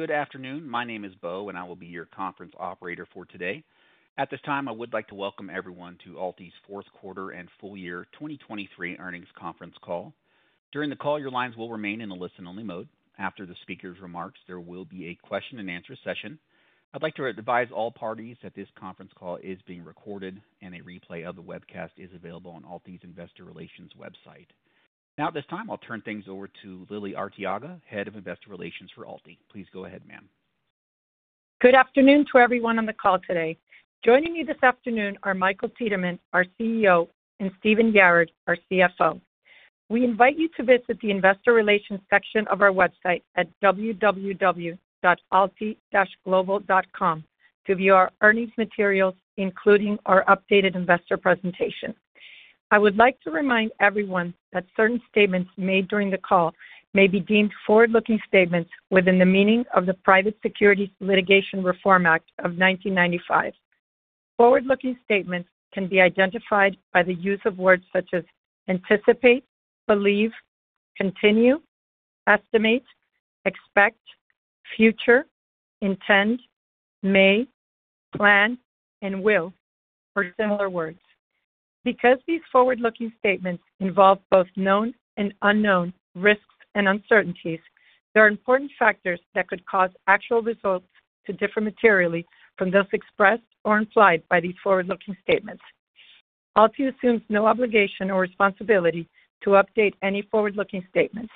Good afternoon, my name is Beau, and I will be your Conference Operator for today. At this time, I would like to welcome everyone to AlTi's Fourth Quarter and Full Year 2023 Earnings Conference Call. During the call, your lines will remain in a listen-only mode. After the speaker's remarks, there will be a Question and Answer session. I'd like to advise all parties that this conference call is being recorded, and a replay of the webcast is available on AlTi's Investor Relations website. Now, at this time, I'll turn things over to Lily Arteaga, Head of Investor Relations for AlTi. Please go ahead, ma'am. Good afternoon to everyone on the call today. Joining me this afternoon are Michael Tiedemann, our CEO, and Stephen Yarad, our CFO. We invite you to visit the Investor Relations section of our website at www.altiglobal.com to view our earnings materials, including our updated investor presentation. I would like to remind everyone that certain statements made during the call may be deemed forward-looking statements within the meaning of the Private Securities Litigation Reform Act of 1995. Forward-looking statements can be identified by the use of words such as anticipate, believe, continue, estimate, expect, future, intend, may, plan, and will, or similar words. Because these forward-looking statements involve both known and unknown risks and uncertainties, there are important factors that could cause actual results to differ materially from those expressed or implied by these forward-looking statements. AlTi assumes no obligation or responsibility to update any forward-looking statements.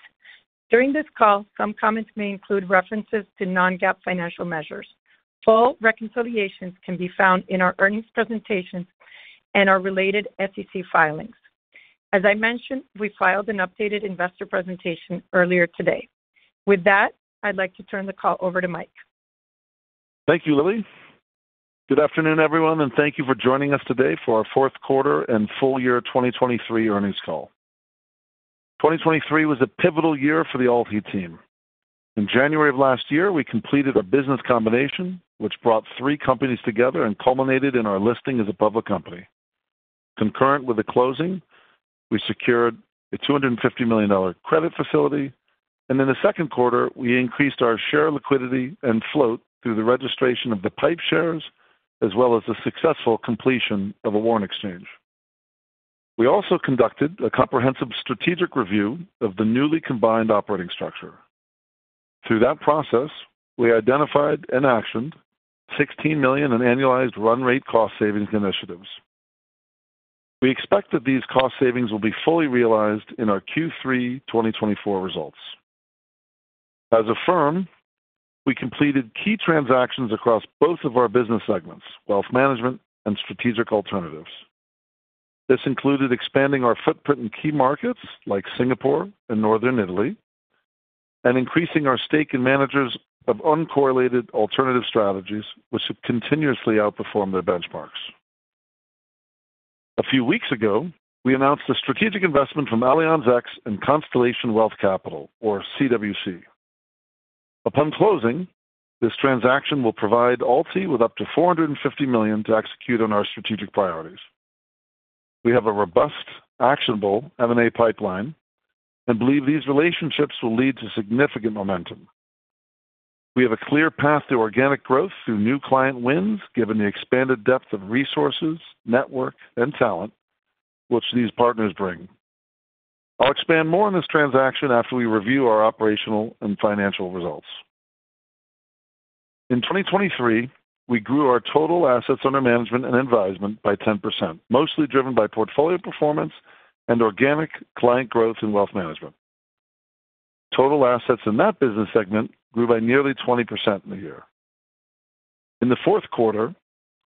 During this call, some comments may include references to non-GAAP financial measures. Full reconciliations can be found in our earnings presentations and our related SEC filings. As I mentioned, we filed an updated investor presentation earlier today. With that, I'd like to turn the call over to Mike. Thank you, Lily. Good afternoon, everyone, and thank you for joining us today for our Fourth Quarter and Full Year 2023 Earnings Call. 2023 was a pivotal year for the AlTi team. In January of last year, we completed a business combination, which brought three companies together and culminated in our listing as a public company. Concurrent with the closing, we secured a $250 million credit facility, and in the second quarter, we increased our share liquidity and float through the registration of the PIPE shares as well as the successful completion of a warrant exchange. We also conducted a comprehensive strategic review of the newly combined operating structure. Through that process, we identified and actioned $16 million in annualized run-rate cost savings initiatives. We expect that these cost savings will be fully realized in our Q3 2024 results. As a firm, we completed key transactions across both of our business segments, wealth management and strategic alternatives. This included expanding our footprint in key markets like Singapore and Northern Italy, and increasing our stake in managers of uncorrelated alternative strategies which should continuously outperform their benchmarks. A few weeks ago, we announced a strategic investment from Allianz X and Constellation Wealth Capital, or CWC. Upon closing, this transaction will provide AlTi with up to $450 million to execute on our strategic priorities. We have a robust, actionable M&A pipeline and believe these relationships will lead to significant momentum. We have a clear path to organic growth through new client wins given the expanded depth of resources, network, and talent which these partners bring. I'll expand more on this transaction after we review our operational and financial results. In 2023, we grew our total assets under management and advisement by 10%, mostly driven by portfolio performance and organic client growth in wealth management. Total assets in that business segment grew by nearly 20% in the year. In the fourth quarter,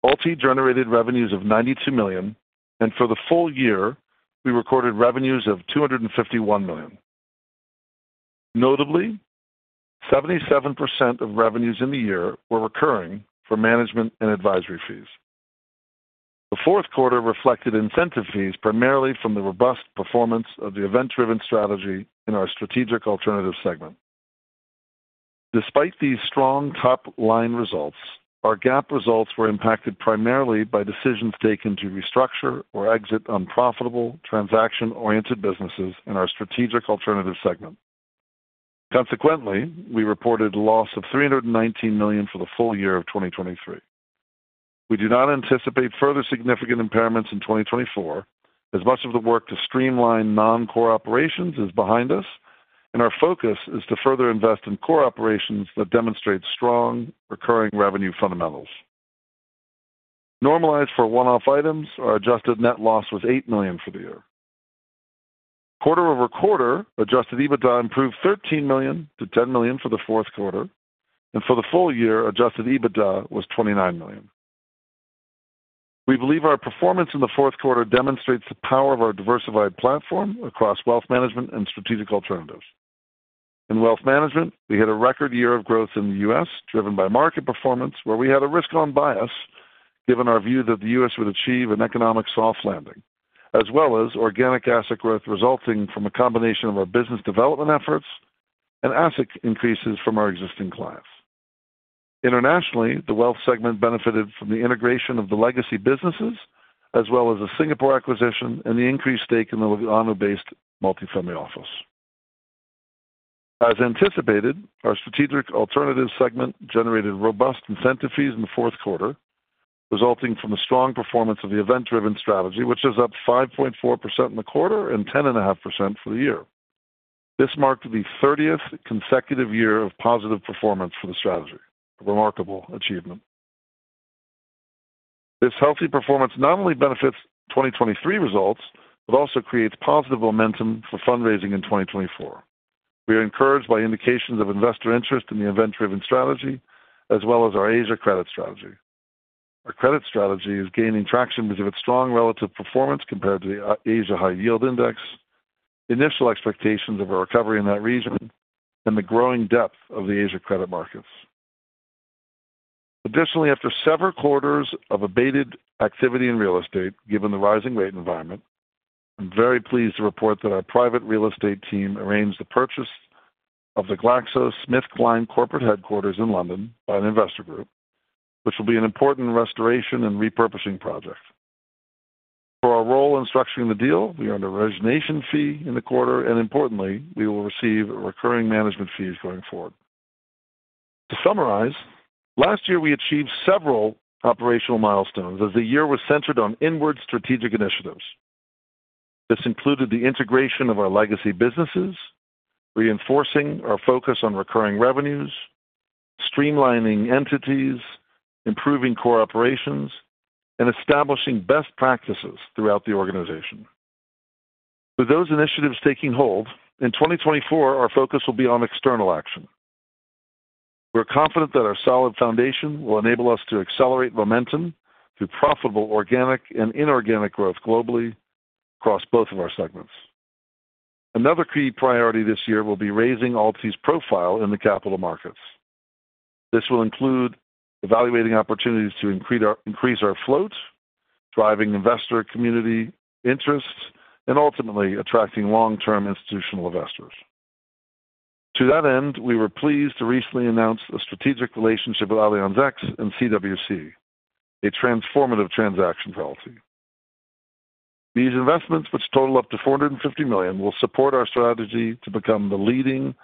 AlTi generated revenues of $92 million, and for the full year, we recorded revenues of $251 million. Notably, 77% of revenues in the year were recurring for management and advisory fees. The fourth quarter reflected incentive fees primarily from the robust performance of the event-driven strategy in our Strategic Alternative segment. Despite these strong top-line results, our GAAP results were impacted primarily by decisions taken to restructure or exit unprofitable, transaction-oriented businesses in our Strategic Alternative segment. Consequently, we reported a loss of $319 million for the full year of 2023. We do not anticipate further significant impairments in 2024, as much of the work to streamline non-core operations is behind us, and our focus is to further invest in core operations that demonstrate strong, recurring revenue fundamentals. Normalized for one-off items, our adjusted net loss was $8 million for the year. Quarter-over-quarter, adjusted EBITDA improved $13 million to $10 million for the fourth quarter, and for the full year, adjusted EBITDA was $29 million. We believe our performance in the fourth quarter demonstrates the power of our diversified platform across wealth management and Strategic Alternatives. In wealth management, we had a record year of growth in the U.S. driven by market performance, where we had a risk-on bias given our view that the U.S. would achieve an economic soft landing, as well as organic asset growth resulting from a combination of our business development efforts and asset increases from our existing clients. Internationally, the wealth segment benefited from the integration of the legacy businesses as well as a Singapore acquisition and the increased stake in the Lugano-based multifamily office. As anticipated, our Strategic Alternative segment generated robust incentive fees in the fourth quarter, resulting from the strong performance of the event-driven strategy, which is up 5.4% in the quarter and 10.5% for the year. This marked the 30th consecutive year of positive performance for the strategy, a remarkable achievement. This healthy performance not only benefits 2023 results but also creates positive momentum for fundraising in 2024. We are encouraged by indications of investor interest in the event-driven strategy as well as our Asia credit strategy. Our credit strategy is gaining traction because of its strong relative performance compared to the Asia High Yield Index, initial expectations of a recovery in that region, and the growing depth of the Asia credit markets. Additionally, after several quarters of abated activity in real estate given the rising rate environment, I'm very pleased to report that our private real estate team arranged the purchase of the GlaxoSmithKline corporate headquarters in London by an investor group, which will be an important restoration and repurposing project. For our role in structuring the deal, we earned an origination fee in the quarter, and importantly, we will receive recurring management fees going forward. To summarize, last year we achieved several operational milestones as the year was centered on inward strategic initiatives. This included the integration of our legacy businesses, reinforcing our focus on recurring revenues, streamlining entities, improving core operations, and establishing best practices throughout the organization. With those initiatives taking hold, in 2024, our focus will be on external action. We're confident that our solid foundation will enable us to accelerate momentum through profitable organic and inorganic growth globally across both of our segments. Another key priority this year will be raising AlTi's profile in the capital markets. This will include evaluating opportunities to increase our float, driving investor community interest, and ultimately attracting long-term institutional investors. To that end, we were pleased to recently announce a strategic relationship with Allianz X and CWC, a transformative transaction for AlTi. These investments, which total up to $450 million, will support our strategy to become the leading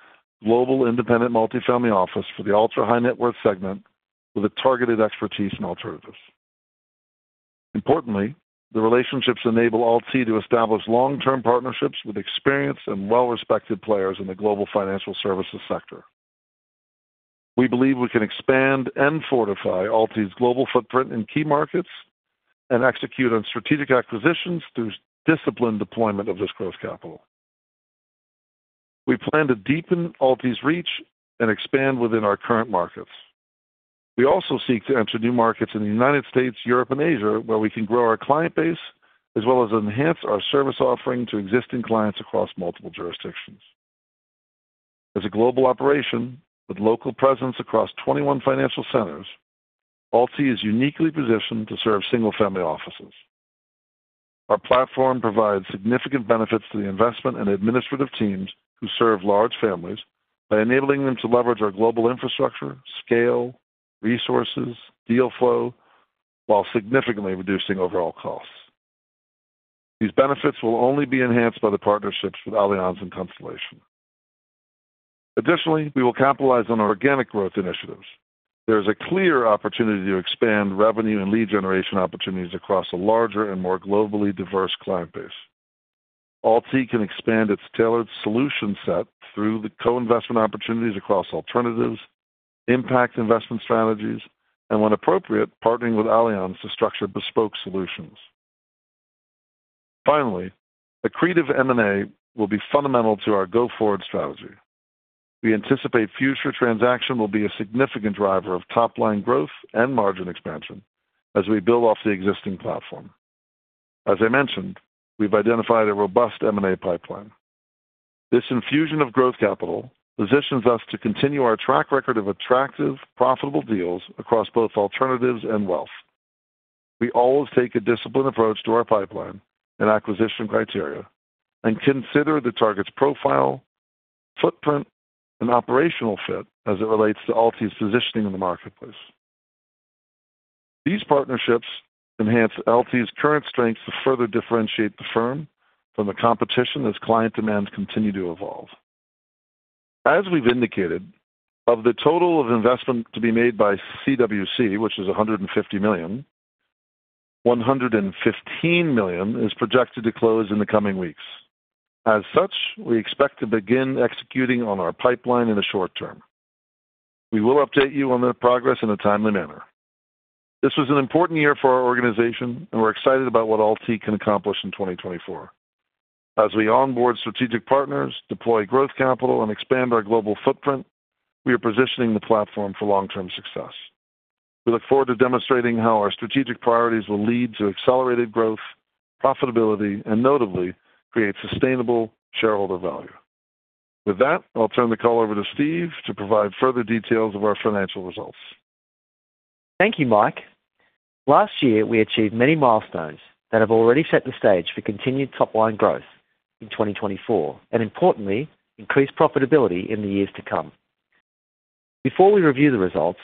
global independent multifamily office for the ultra-high net worth segment with a targeted expertise in alternatives. Importantly, the relationships enable AlTi to establish long-term partnerships with experienced and well-respected players in the global financial services sector. We believe we can expand and fortify AlTi's global footprint in key markets and execute on strategic acquisitions through disciplined deployment of this growth capital. We plan to deepen AlTi's reach and expand within our current markets. We also seek to enter new markets in the United States, Europe, and Asia, where we can grow our client base as well as enhance our service offering to existing clients across multiple jurisdictions. As a global operation with local presence across 21 financial centers, AlTi is uniquely positioned to serve single-family offices. Our platform provides significant benefits to the investment and administrative teams who serve large families by enabling them to leverage our global infrastructure, scale, resources, deal flow, while significantly reducing overall costs. These benefits will only be enhanced by the partnerships with Allianz and Constellation. Additionally, we will capitalize on organic growth initiatives. There is a clear opportunity to expand revenue and lead generation opportunities across a larger and more globally diverse client base. AlTi can expand its tailored solution set through the co-investment opportunities across alternatives, impact investment strategies, and when appropriate, partnering with Allianz to structure bespoke solutions. Finally, accretive M&A will be fundamental to our go-forward strategy. We anticipate future transaction will be a significant driver of top-line growth and margin expansion as we build off the existing platform. As I mentioned, we've identified a robust M&A pipeline. This infusion of growth capital positions us to continue our track record of attractive, profitable deals across both alternatives and wealth. We always take a disciplined approach to our pipeline and acquisition criteria and consider the target's profile, footprint, and operational fit as it relates to AlTi's positioning in the marketplace. These partnerships enhance AlTi's current strengths to further differentiate the firm from the competition as client demands continue to evolve. As we've indicated, of the total of investment to be made by CWC, which is $150 million, $115 million is projected to close in the coming weeks. As such, we expect to begin executing on our pipeline in the short term. We will update you on the progress in a timely manner. This was an important year for our organization, and we're excited about what AlTi can accomplish in 2024. As we onboard strategic partners, deploy growth capital, and expand our global footprint, we are positioning the platform for long-term success. We look forward to demonstrating how our strategic priorities will lead to accelerated growth, profitability, and notably, create sustainable shareholder value. With that, I'll turn the call over to Steve to provide further details of our financial results. Thank you, Mike. Last year, we achieved many milestones that have already set the stage for continued top-line growth in 2024 and, importantly, increased profitability in the years to come. Before we review the results,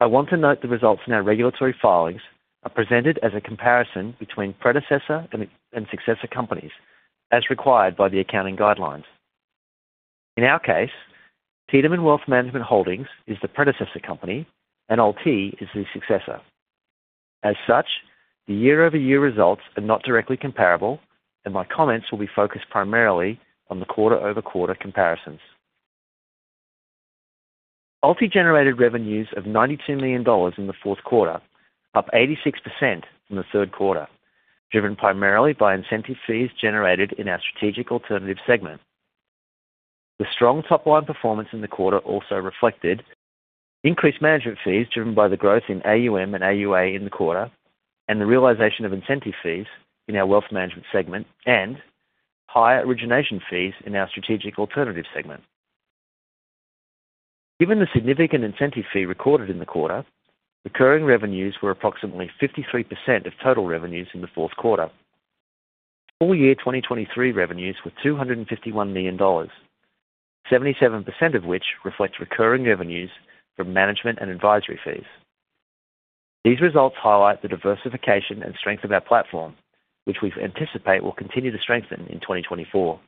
I want to note the results in our regulatory filings are presented as a comparison between predecessor and successor companies as required by the accounting guidelines. In our case, Tiedemann Wealth Management Holdings is the predecessor company, and AlTi is the successor. As such, the year-over-year results are not directly comparable, and my comments will be focused primarily on the quarter-over-quarter comparisons. AlTi generated revenues of $92 million in the fourth quarter, up 86% from the third quarter, driven primarily by incentive fees generated in our Strategic Alternatives segment. The strong top-line performance in the quarter also reflected increased management fees driven by the growth in AUM and AUA in the quarter and the realization of incentive fees in our Wealth Management segment and higher origination fees in our Strategic Alternatives segment. Given the significant incentive fee recorded in the quarter, recurring revenues were approximately 53% of total revenues in the fourth quarter. Full-year 2023 revenues were $251 million, 77% of which reflects recurring revenues from management and advisory fees. These results highlight the diversification and strength of our platform, which we anticipate will continue to strengthen in 2024.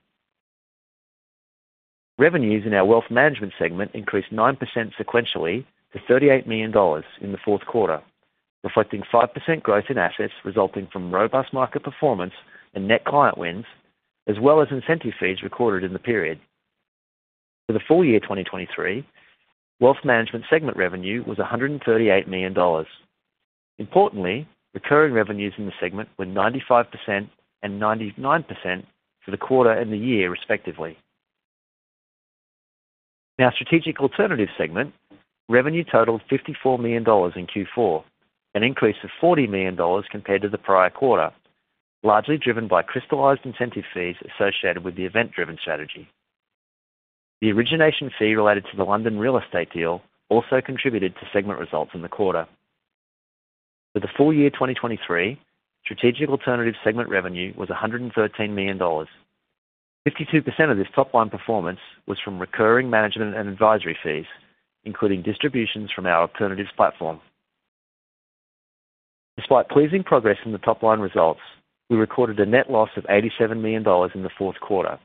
Revenues in our Wealth Management segment increased 9% sequentially to $38 million in the fourth quarter, reflecting 5% growth in assets resulting from robust market performance and net client wins as well as incentive fees recorded in the period. For the full year 2023, Wealth Management segment revenue was $138 million. Importantly, recurring revenues in the segment were 95% and 99% for the quarter and the year, respectively. In our Strategic Alternatives segment, revenue totaled $54 million in Q4, an increase of $40 million compared to the prior quarter, largely driven by crystallized incentive fees associated with the event-driven strategy. The origination fee related to the London real estate deal also contributed to segment results in the quarter. For the full year 2023, Strategic Alternatives segment revenue was $113 million. 52% of this top-line performance was from recurring management and advisory fees, including distributions from our alternatives platform. Despite pleasing progress in the top-line results, we recorded a net loss of $87 million in the fourth quarter,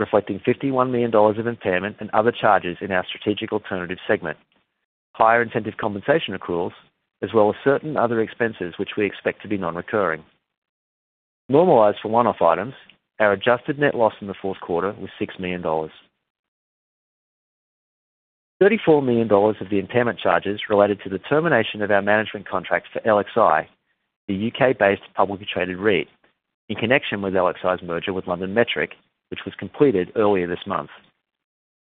reflecting $51 million of impairment and other charges in our Strategic Alternatives segment, higher incentive compensation accruals, as well as certain other expenses which we expect to be non-recurring. Normalized for one-off items, our adjusted net loss in the fourth quarter was $6 million. $34 million of the impairment charges related to the termination of our management contract for LXi, the U.K.-based publicly traded REIT, in connection with LXi's merger with LondonMetric, which was completed earlier this month.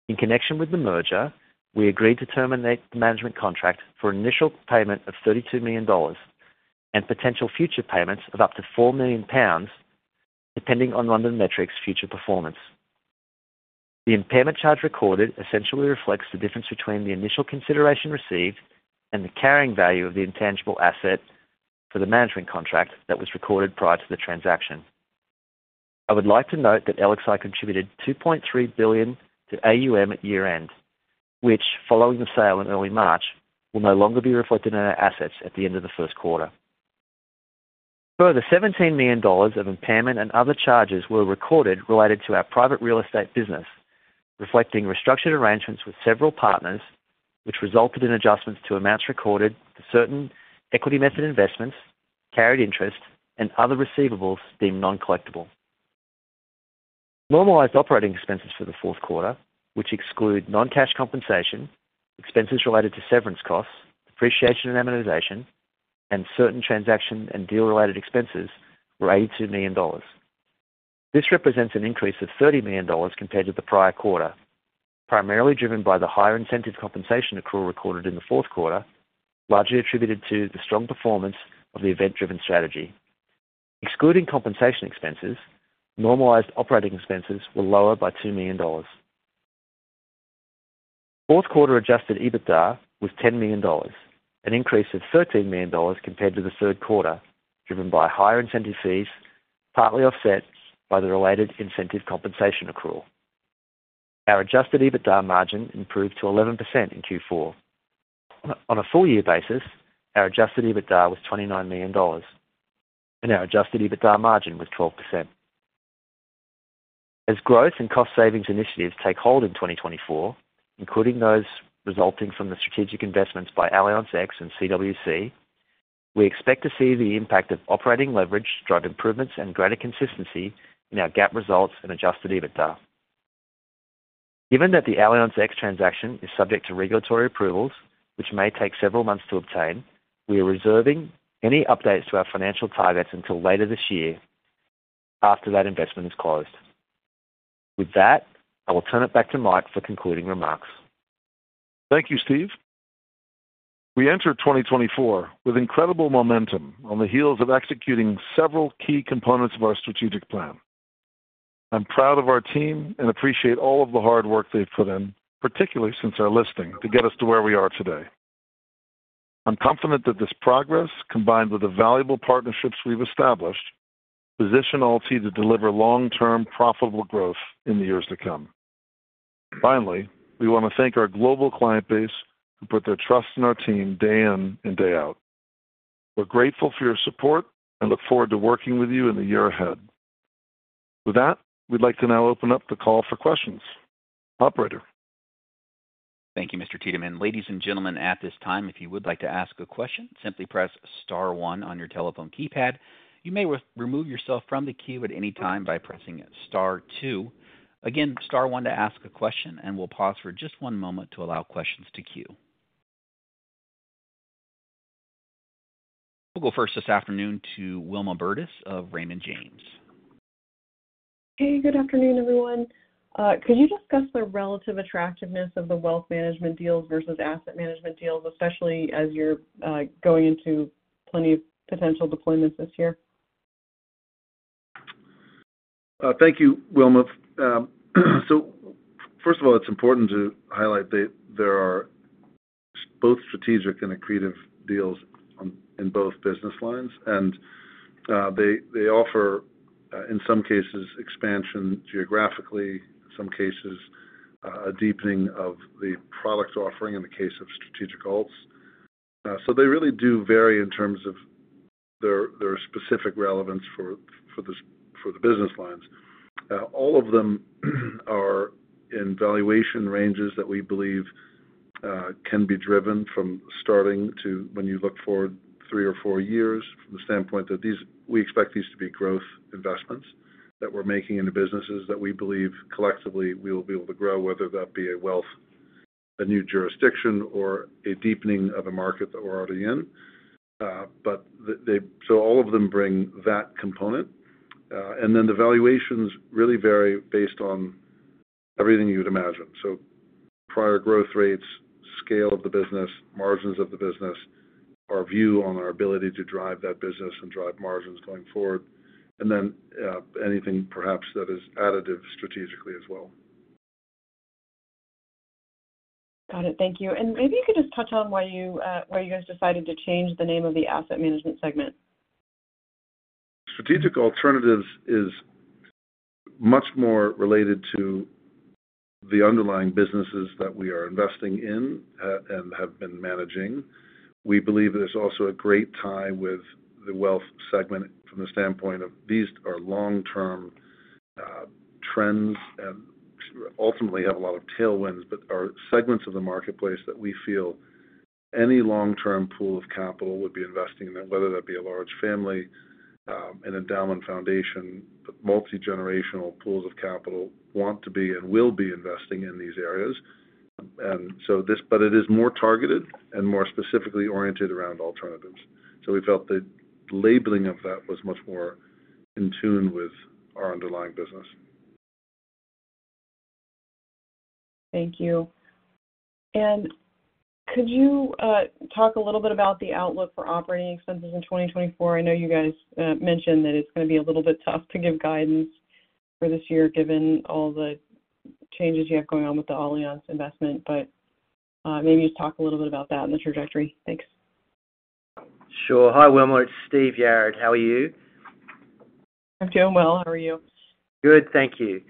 In connection with the merger, we agreed to terminate the management contract for an initial payment of $32 million and potential future payments of up to 4 million pounds, depending on LondonMetric's future performance. The impairment charge recorded essentially reflects the difference between the initial consideration received and the carrying value of the intangible asset for the management contract that was recorded prior to the transaction. I would like to note that LXi contributed $2.3 billion to AUM at year-end, which, following the sale in early March, will no longer be reflected in our assets at the end of the first quarter. Further, $17 million of impairment and other charges were recorded related to our private real estate business, reflecting restructured arrangements with several partners, which resulted in adjustments to amounts recorded for certain equity method investments, carried interest, and other receivables deemed non-collectible. Normalized operating expenses for the fourth quarter, which exclude non-cash compensation, expenses related to severance costs, depreciation and amortization, and certain transaction and deal-related expenses, were $82 million. This represents an increase of $30 million compared to the prior quarter, primarily driven by the higher incentive compensation accrual recorded in the fourth quarter, largely attributed to the strong performance of the event-driven strategy. Excluding compensation expenses, normalized operating expenses were lower by $2 million. Fourth quarter adjusted EBITDA was $10 million, an increase of $13 million compared to the third quarter, driven by higher incentive fees partly offset by the related incentive compensation accrual. Our adjusted EBITDA margin improved to 11% in Q4. On a full-year basis, our adjusted EBITDA was $29 million, and our adjusted EBITDA margin was 12%. As growth and cost-savings initiatives take hold in 2024, including those resulting from the strategic investments by Allianz X and CWC, we expect to see the impact of operating leverage-driven improvements and greater consistency in our GAAP results and adjusted EBITDA. Given that the Allianz X transaction is subject to regulatory approvals, which may take several months to obtain, we are reserving any updates to our financial targets until later this year after that investment is closed. With that, I will turn it back to Mike for concluding remarks. Thank you, Steve. We entered 2024 with incredible momentum on the heels of executing several key components of our strategic plan. I'm proud of our team and appreciate all of the hard work they've put in, particularly since our listing, to get us to where we are today. I'm confident that this progress, combined with the valuable partnerships we've established, position AlTi to deliver long-term profitable growth in the years to come. Finally, we want to thank our global client base who put their trust in our team day in and day out. We're grateful for your support and look forward to working with you in the year ahead. With that, we'd like to now open up the call for questions. Operator. Thank you, Mr. Tiedemann. Ladies and gentlemen, at this time, if you would like to ask a question, simply press star one on your telephone keypad. You may remove yourself from the queue at any time by pressing star two. Again, star one to ask a question, and we'll pause for just one moment to allow questions to queue. We'll go first this afternoon to Wilma Burdis of Raymond James. Hey, good afternoon, everyone. Could you discuss the relative attractiveness of the wealth management deals versus asset management deals, especially as you're going into plenty of potential deployments this year? Thank you, Wilma. So first of all, it's important to highlight that there are both strategic and accretive deals in both business lines, and they offer, in some cases, expansion geographically, in some cases, a deepening of the product offering in the case of strategic alts. So they really do vary in terms of their specific relevance for the business lines. All of them are in valuation ranges that we believe can be driven from starting to when you look forward three or four years from the standpoint that we expect these to be growth investments that we're making into businesses that we believe collectively we will be able to grow, whether that be a new jurisdiction or a deepening of a market that we're already in. So all of them bring that component. And then the valuations really vary based on everything you would imagine. Prior growth rates, scale of the business, margins of the business, our view on our ability to drive that business and drive margins going forward, and then anything perhaps that is additive strategically as well. Got it. Thank you. And maybe you could just touch on why you guys decided to change the name of the asset management segment? Strategic Alternatives is much more related to the underlying businesses that we are investing in and have been managing. We believe that it's also a great tie with the wealth segment from the standpoint of these are long-term trends and ultimately have a lot of tailwinds, but are segments of the marketplace that we feel any long-term pool of capital would be investing in, whether that be a large family, an endowment foundation, but multi-generational pools of capital want to be and will be investing in these areas. But it is more targeted and more specifically oriented around alternatives. So we felt the labeling of that was much more in tune with our underlying business. Thank you. Could you talk a little bit about the outlook for operating expenses in 2024? I know you guys mentioned that it's going to be a little bit tough to give guidance for this year given all the changes you have going on with the Allianz investment, but maybe just talk a little bit about that and the trajectory. Thanks. Sure. Hi, Wilma. It's Steve Yarad. How are you? I'm doing well. How are you? Good. Thank you.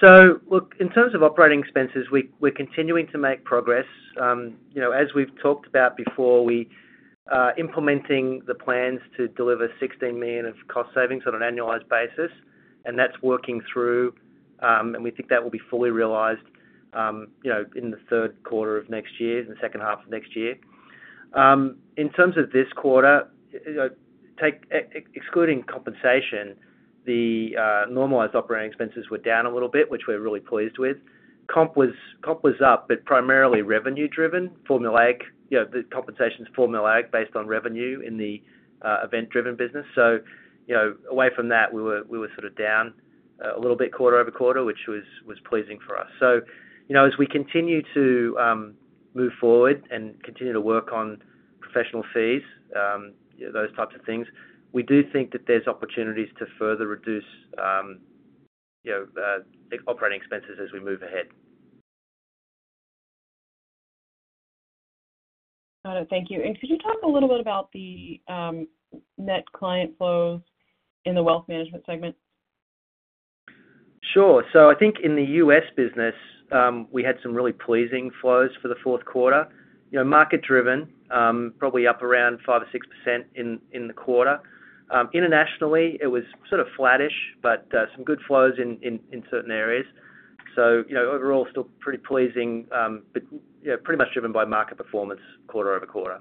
So look, in terms of operating expenses, we're continuing to make progress. As we've talked about before, we're implementing the plans to deliver $16 million of cost savings on an annualized basis, and that's working through, and we think that will be fully realized in the third quarter of next year and the second half of next year. In terms of this quarter, excluding compensation, the normalized operating expenses were down a little bit, which we're really pleased with. Comp was up, but primarily revenue-driven. Formulaic, the compensation's formulaic based on revenue in the event-driven business. So away from that, we were sort of down a little bit quarter-over-quarter, which was pleasing for us. As we continue to move forward and continue to work on professional fees, those types of things, we do think that there's opportunities to further reduce operating expenses as we move ahead. Got it. Thank you. Could you talk a little bit about the net client flows in the Wealth Management segment? Sure. So I think in the U.S. business, we had some really pleasing flows for the fourth quarter. Market-driven, probably up around 5% or 6% in the quarter. Internationally, it was sort of flattish, but some good flows in certain areas. So overall, still pretty pleasing, but pretty much driven by market performance quarter-over-quarter.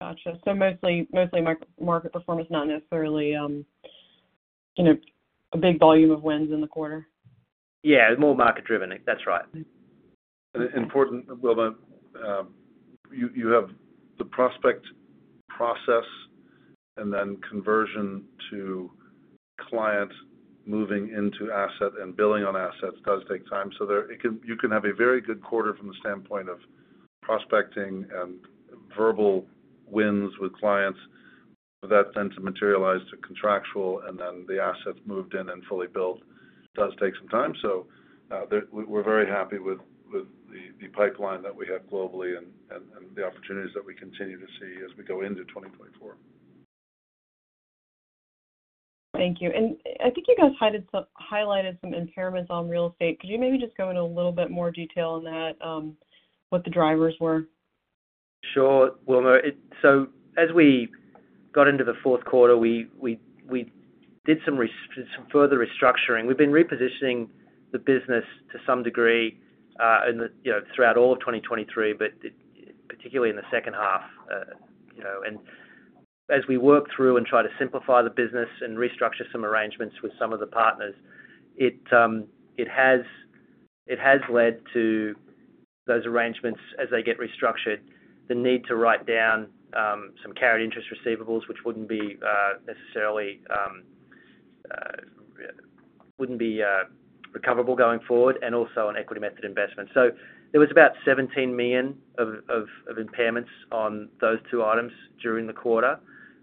Gotcha. So mostly market performance, not necessarily a big volume of wins in the quarter? Yeah. More market-driven. That's right. Important, Wilma, you have the prospect process, and then conversion to client moving into asset and billing on assets does take time. So you can have a very good quarter from the standpoint of prospecting and verbal wins with clients, but that then to materialize to contractual and then the assets moved in and fully built does take some time. So we're very happy with the pipeline that we have globally and the opportunities that we continue to see as we go into 2024. Thank you. I think you guys highlighted some impairments on real estate. Could you maybe just go into a little bit more detail on that, what the drivers were? Sure. Well, no. So as we got into the fourth quarter, we did some further restructuring. We've been repositioning the business to some degree throughout all of 2023, but particularly in the second half. And as we work through and try to simplify the business and restructure some arrangements with some of the partners, it has led to those arrangements, as they get restructured, the need to write down some carried interest receivables, which wouldn't be necessarily recoverable going forward, and also an equity method investment. So there was about $17 million of impairments on those two items during the quarter.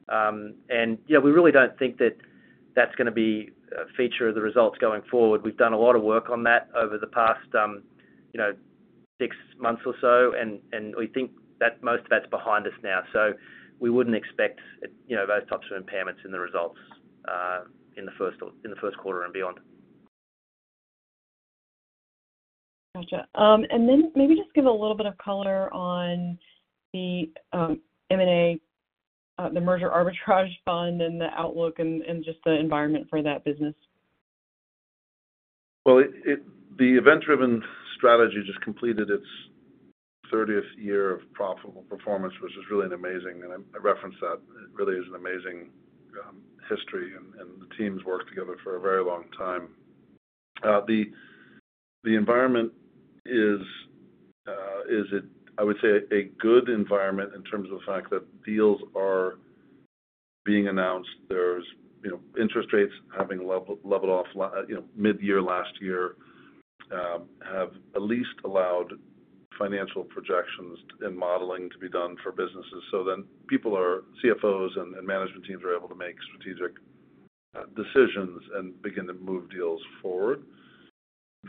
And we really don't think that that's going to be a feature of the results going forward. We've done a lot of work on that over the past six months or so, and we think that most of that's behind us now. We wouldn't expect those types of impairments in the results in the first quarter and beyond. Gotcha. And then maybe just give a little bit of color on the M&A, the merger arbitrage fund, and the outlook and just the environment for that business. Well, the event-driven strategy just completed its 30th year of profitable performance, which is really amazing. I referenced that. It really is an amazing history, and the teams worked together for a very long time. The environment is, I would say, a good environment in terms of the fact that deals are being announced. There's interest rates having leveled off mid-year last year have at least allowed financial projections and modeling to be done for businesses. So then people are CFOs and management teams are able to make strategic decisions and begin to move deals forward.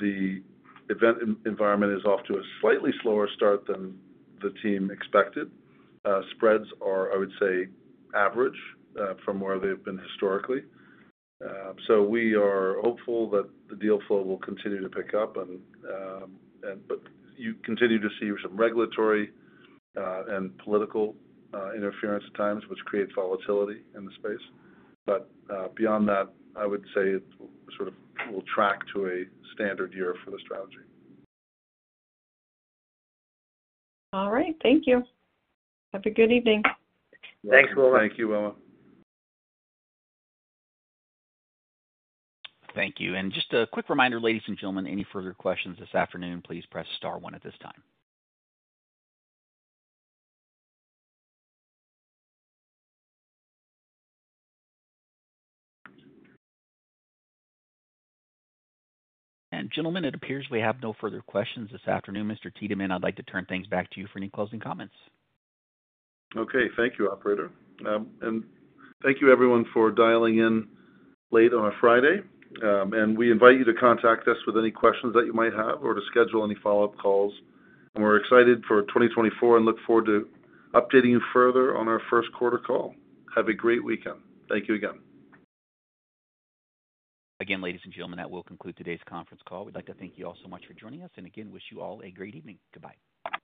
The event environment is off to a slightly slower start than the team expected. Spreads are, I would say, average from where they've been historically. We are hopeful that the deal flow will continue to pick up, but you continue to see some regulatory and political interference at times, which creates volatility in the space. Beyond that, I would say it sort of will track to a standard year for the strategy. All right. Thank you. Have a good evening. Thanks, Wilma. Thank you, Wilma. Thank you. And just a quick reminder, ladies and gentlemen, any further questions this afternoon, please press star one at this time. And gentlemen, it appears we have no further questions this afternoon. Mr. Tiedemann, I'd like to turn things back to you for any closing comments. Okay. Thank you, operator. Thank you, everyone, for dialing in late on a Friday. We invite you to contact us with any questions that you might have or to schedule any follow-up calls. We're excited for 2024 and look forward to updating you further on our first quarter call. Have a great weekend. Thank you again. Again, ladies and gentlemen, that will conclude today's conference call. We'd like to thank you all so much for joining us, and again, wish you all a great evening. Goodbye.